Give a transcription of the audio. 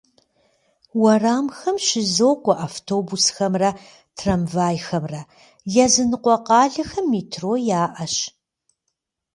Уэрамхэм щызокӏуэ автобусхэмрэ трамвайхэмрэ, языныкъуэ къалэхэм метро яӏэщ.